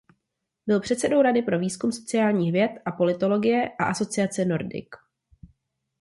Byl předsedou Rady pro výzkum sociálních věd a politologie a asociace Nordic.